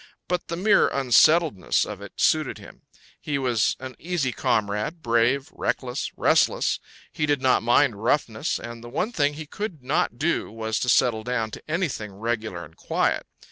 But the mere unsettledness of it suited him: he was an easy comrade, brave, reckless, restless; he did not mind roughness, and the one thing he could not do was to settle down to anything regular and quiet.